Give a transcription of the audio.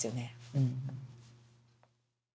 うん。